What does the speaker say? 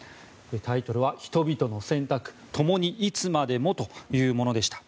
タイトルは「人々の選択共にいつまでも」というものでした。